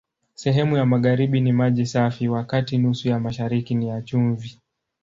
Sehemu ya magharibi ni maji safi, wakati nusu ya mashariki ni ya chumvi.